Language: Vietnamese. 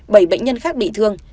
bảy bệnh nhân khác bị thương